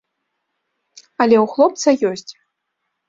Але ў хлопца ёсць.